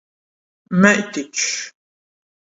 Meitičs.